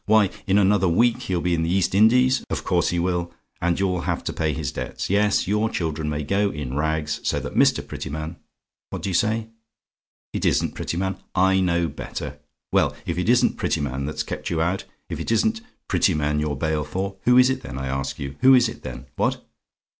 Why, in another week he'll be in the East Indies; of course he will! And you'll have to pay his debts; yes, your children may go in rags, so that Mr. Prettyman what do you say? "IT ISN'T PRETTYMAN? "I know better. Well, if it isn't Prettyman that's kept you out, if it isn't Prettyman you're bail for who is it, then? I ask, who is it, then? What?